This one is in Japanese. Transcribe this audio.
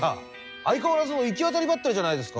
相変わらずの行き当たりばったりじゃないですか！